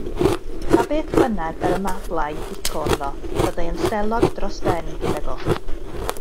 Pa beth bynnag yr ymaflai Dico ynddo, byddai yn selog dros ben gydag o.